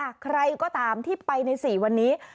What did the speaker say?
ใครก็ตามที่ไปใน๔วันนี้